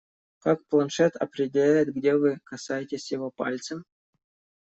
Как планшет определяет, где вы касаетесь его пальцем?